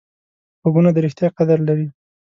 غوږونه د ریښتیا قدر لري